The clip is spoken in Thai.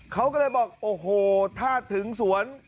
เขาก็เลยบอกโอ้โหถ้าถึงสวน